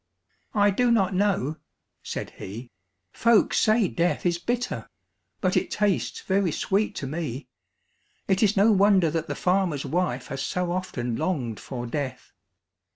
"I do not know," said he, "folks say death is bitter, but it tastes very sweet to me. It is no wonder that the farmer's wife has so often longed for death."